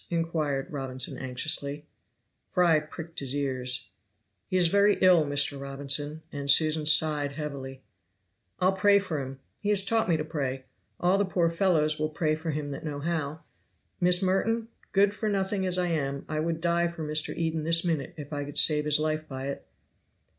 inquired Robinson anxiously. Fry pricked his ears. "He is very ill, Mr. Robinson," and Susan sighed heavily. "I'll pray for him. He has taught me to pray all the poor fellows will pray for him that know how. Miss Merton, good for nothing as I am, I would die for Mr. Eden this minute if I could save his life by it."